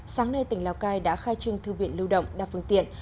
sáng nay tỉnh lào cai đã khai trưng thư viện lưu động đa phương tiện